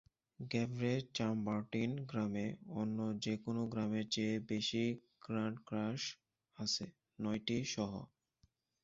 Gevrey-Chambertin গ্রামে অন্য যে কোন গ্রামের চেয়ে বেশি গ্রান্ড ক্রাস আছে, নয়টি সহ।